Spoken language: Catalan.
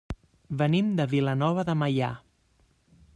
Venim de Vilanova de Meià.